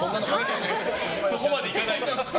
そこまでいかないんだ。